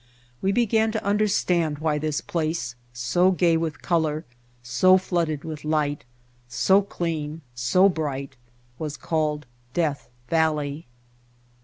We began to understand why this place, so gay with color, so flooded with light, so clean, so bright, was called Death Valley.